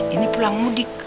ini pulau mudik